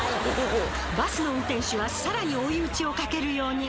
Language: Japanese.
バスの運転手はさらに追い打ちをかけるように。